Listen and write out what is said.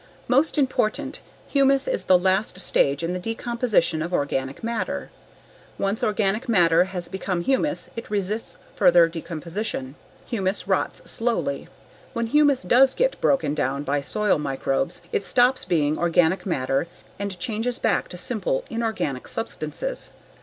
Most important, humus is the last stage in the decomposition of organic matter. Once organic matter has become humus it resists further decomposition. Humus rots slowly. When humus does get broken down by soil microbes it stops being organic matter and changes back to simple inorganic substances.